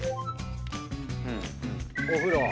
お風呂。